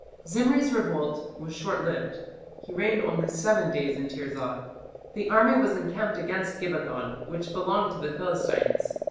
Zimri's revolt was shortlived. He reigned only "seven days in Tirzah". The army was "encamped against Gibbethon, which belonged to the Philistines.